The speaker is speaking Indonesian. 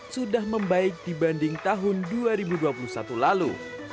sudah membaik dibanding tahun dua ribu dua puluh satu lalu